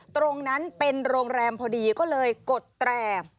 ตรงนั้นเป็นโรงแรมพอดีก็เลยกดแตร